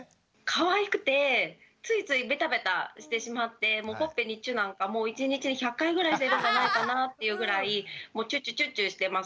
かわいくてついついベタベタしてしまってほっぺにチュなんかも１日に１００回ぐらいしてるんじゃないかなっていうぐらいもうチュッチュチュッチュしてます。